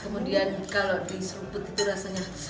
kemudian kalau diseruput itu rasanya